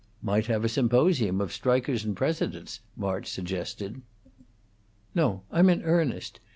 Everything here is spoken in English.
"Might have a symposium of strikers and presidents," March suggested. "No; I'm in earnest.